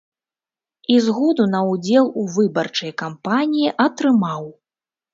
І згоду на ўдзел у выбарчай кампаніі атрымаў.